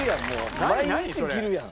毎日着るやん。